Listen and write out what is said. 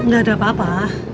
gak ada apa apa